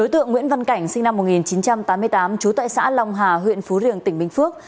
thượng nguyễn văn cảnh sinh năm một nghìn chín trăm tám mươi tám trú tại xã lòng hà huyện phú riềng tỉnh bình phước